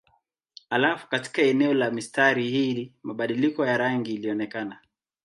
Halafu katika eneo la mistari hii mabadiliko ya rangi ilionekana.